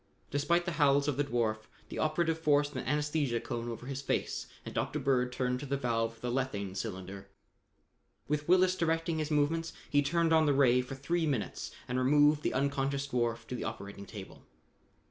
Despite the howls of the dwarf, the operative forced an anesthesia cone over his face and Dr. Bird turned to the valve of the lethane cylinder. With Willis directing his movements, he turned on the ray for three minutes and removed the unconscious dwarf to the operating table.